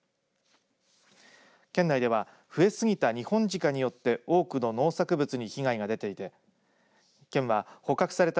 県内では増えすぎたニホンジカによって多くの農作物に被害が出ていて県は捕獲された